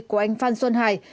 của anh phan xuân hải